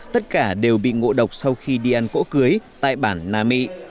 tất cả đều bị ngộ độc sau khi đi ăn cỗ cưới tại bản nam mịn